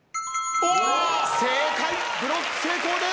正解ブロック成功です。